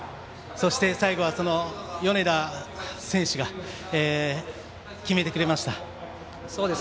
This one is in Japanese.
そして、最後は米田選手が決めてくれました。